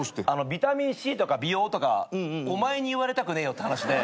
ビタミンＣとか美容とかお前に言われたくねえよって話で。